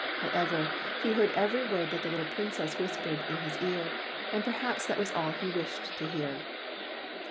However, he heard every word that the little Princess whispered in his ear, and perhaps that was all that he wished to hear.